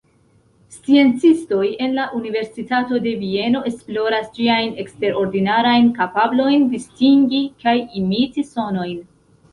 Sciencistoj en la Universitato de Vieno esploras ĝiajn eksterordinarajn kapablojn distingi kaj imiti sonojn.